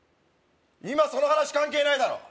今その話関係ないだろ